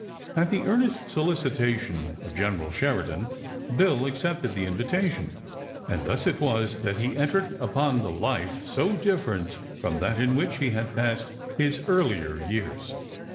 At the earnest solicitation of General Sheridan Bill accepted the invitation, and thus it was that he entered upon the life so different from that in which he had passed his earlier years.